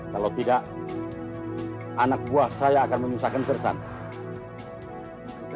kalau tidak anak buah saya akan menyusahkan tersang